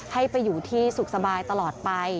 ให้ไปอยู่ที่สุขสบายตลอดไป